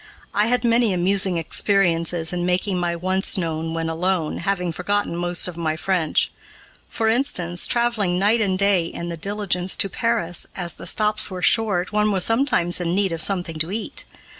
I had many amusing experiences in making my wants known when alone, having forgotten most of my French. For instance, traveling night and day in the diligence to Paris, as the stops were short, one was sometimes in need of something to eat.